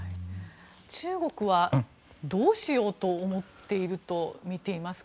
中国はどうしようと思っているとみていますか？